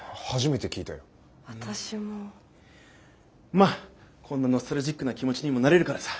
まあこんなノスタルジックな気持ちにもなれるからさ